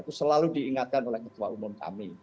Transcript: itu selalu diingatkan oleh ketua umum kami